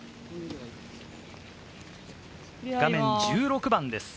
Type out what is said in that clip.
画面１６番です。